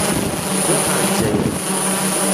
Ddiɣ ɣer Lezzayer.